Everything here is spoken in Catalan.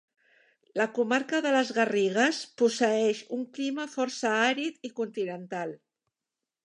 La comarca de les Garrigues posseeix un clima força àrid i continental.